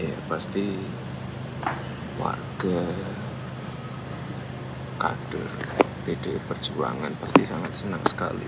ya pasti warga kader pdi perjuangan pasti sangat senang sekali